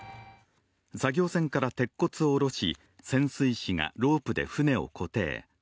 作業船から鉄骨をおろし、潜水士がロープで船を固定。